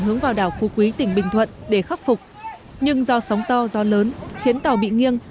hướng vào đảo phu quý tỉnh bình thuận để khắc phục nhưng do sóng to gió lớn khiến tàu bị nghiêng